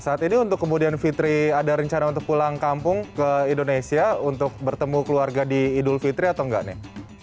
saat ini untuk kemudian fitri ada rencana untuk pulang kampung ke indonesia untuk bertemu keluarga di idul fitri atau enggak nih